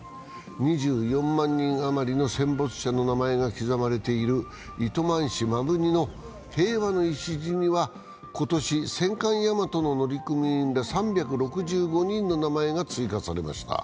２４万人あまりの戦没者の名前が刻まれている糸満市摩文仁の平和の礎には、今年戦艦「大和」の乗組員ら３６５人の名前が追加されました。